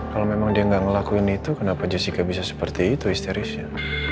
kalau memang dia nggak ngelakuin itu kenapa jessica bisa seperti itu histerisnya